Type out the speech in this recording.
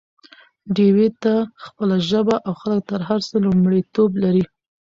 ډيوې ته خپله ژبه او خلک تر هر څه لومړيتوب لري